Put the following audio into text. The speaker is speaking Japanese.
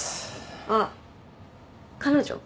あっ彼女？